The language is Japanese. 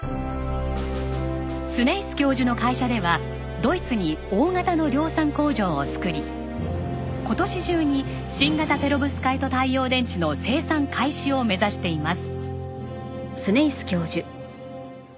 スネイス教授の会社ではドイツに大型の量産工場を作り今年中に新型ペロブスカイト太陽電池の生産開始を目指しています。